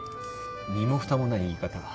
身もふたもない言い方。